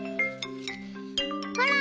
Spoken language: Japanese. ほら！